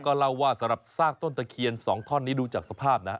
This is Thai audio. ก็เล่าว่าสรรพสร้างต้นตะเคียนสองท่อนนี้ดูจากสภาพนะ